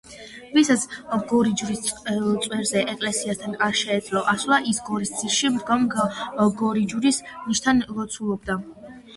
ვისაც გორიჯვრის წვერზე, ეკლესიასთან არ შეეძლო ასვლა, ის გორის ძირში მდგომ გორიჯვრის ნიშთან ლოცულობდა.